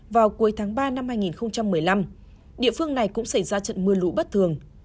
vào cuối tháng ba năm hai nghìn một mươi năm địa phương này cũng xảy ra trận mưa lũ bất thường